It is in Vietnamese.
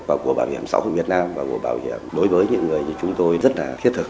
và của bảo hiểm xã hội việt nam và của bảo hiểm đối với những người thì chúng tôi rất là thiết thực